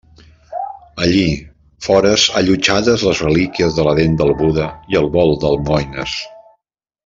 Allí fores allotjades les relíquies de la Dent del Buda i el Bol d'almoines.